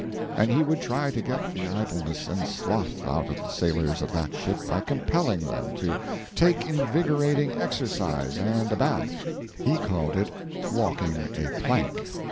And he would try to get the idleness and sloth out of the sailors of that ship by compelling them to take invigorating exercise and a bath. He called it "walking a plank."